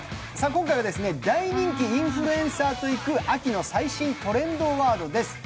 今回は大人気インフルエンサーと行く「秋の最新トレンドワード」です。